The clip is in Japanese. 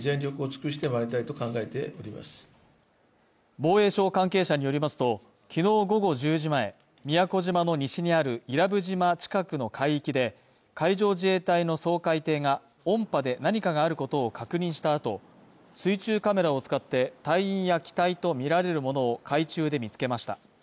防衛省関係者によりますと、きのう午後１０時前、宮古島の西にある、伊良部島近くの海域で、海上自衛隊の掃海艇が、音波で何かがあることを確認した後、水中カメラを使って、隊員や機体とみられるものを海中で見つけました。